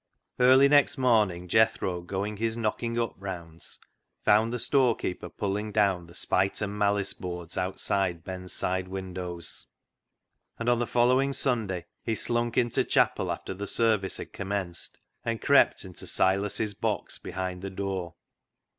Early next morning Jethro going his knock ing up rounds, found the storekeeper pulling down the " spite and malice boards " outside Ben's side windows. And on the following Sunday he slunk into chapel after the service had commenced and crept into Silas' box behind the door.